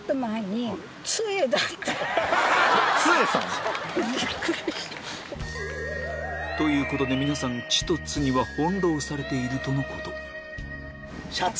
すげぇな！ということで皆さん「ち」と「つ」には翻弄されているとのことシャツ。